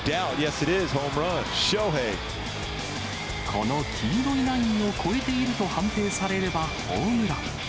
この黄色いラインを越えていると判定されれば、ホームラン。